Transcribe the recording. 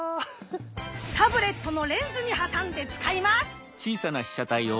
タブレットのレンズに挟んで使います。